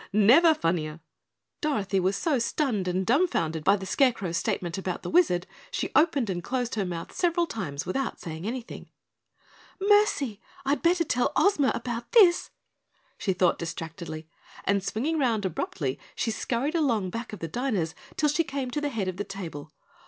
Never funnier!" Dorothy was so stunned and dumbfounded by the Scarecrow's statement about the Wizard, she opened and closed her mouth several times without saying anything. "Mercy, I'd better tell Ozma about this," she thought distractedly, and swinging round abruptly she scurried along back of the diners till she came to the head of the table.